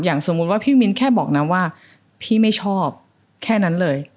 สมมุติว่าพี่มิ้นแค่บอกนะว่าพี่ไม่ชอบแค่นั้นเลย